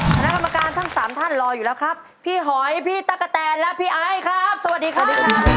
คณะกรรมการทั้งสามท่านรออยู่แล้วครับพี่หอยพี่ตั๊กกะแตนและพี่ไอครับสวัสดีครับ